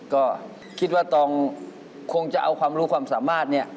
ก็คิดว่าตองคงจะเอาความรู้ความสามารถเนี่ย